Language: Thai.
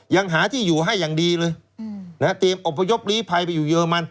ยังหาที่อยู่ให้อย่างดีติมอุปยบรีไภไปอยู่เยอะมัน